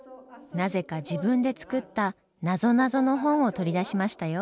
なぜか自分で作ったなぞなぞの本を取り出しましたよ。